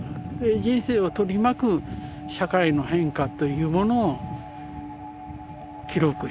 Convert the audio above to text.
人生を取り巻く社会の変化というものを記録していくんだ。